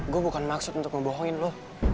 gue bukan maksud untuk ngebohongin lo